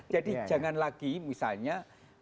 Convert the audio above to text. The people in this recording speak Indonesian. jadi jangan lagi misalnya